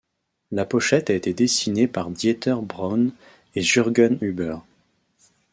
La pochette a été dessinée par Dieter Braun et Jürgen Huber.